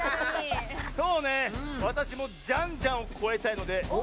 そうねわたしもジャンジャンをこえたいのでお！